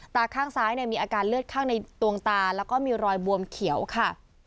ตาข้างซ้ายมีอาการเลือดข้างในดวงตาแล้วก็มีรอยบวมเขียวค่ะ